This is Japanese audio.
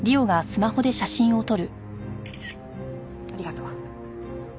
ありがとう。